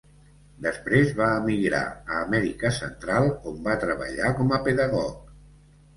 Després va emigrar a Amèrica Central, on va treballar com a pedagog.